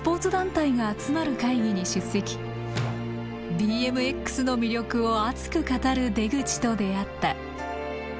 ＢＭＸの魅力を熱く語る出口と出会った。